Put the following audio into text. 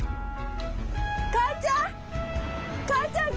母ちゃん！